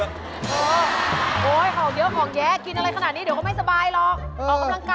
โอ้โหของเยอะของแยะกินอะไรขนาดนี้เดี๋ยวเขาไม่สบายหรอก